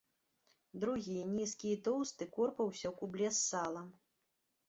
Другі, нізкі і тоўсты, корпаўся ў кубле з салам.